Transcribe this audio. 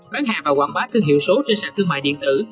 bán hàng và quảng bá thương hiệu số trên sàn thương mại điện tử